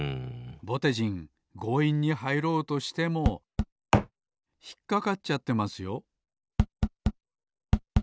ぼてじんごういんにはいろうとしてもひっかかっちゃってますよ